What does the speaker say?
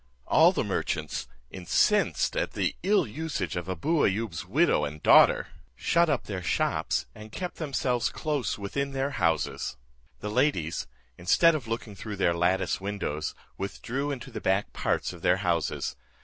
All the merchants, incensed at the ill usage of Abou Ayoub's widow and daughter, shut up their shops, and kept themselves close within their houses. The ladies, instead of looking through their lattice windows, withdrew into the back parts of their houses.